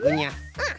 うん。